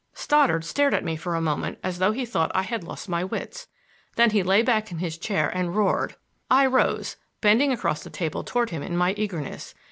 Stoddard stared at me for a moment as though he thought I had lost my wits. Then he lay back in his chair and roared. I rose, bending across the table toward him in my eagerness.